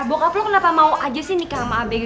bokap lo kenapa mau aja sih nikah sama abg